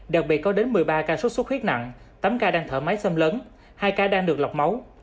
đặc biệt có đến một mươi ba ca sốt xuất huyết nặng tám ca đang thở máy xâm lớn hai ca đang được lọc máu